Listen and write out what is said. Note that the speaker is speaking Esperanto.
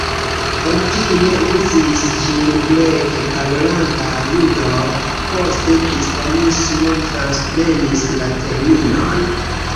Origine uzis ĝin Greke-parolantaj Judoj, poste Kristanismo transprenis la terminon.